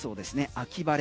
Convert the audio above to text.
秋晴れ。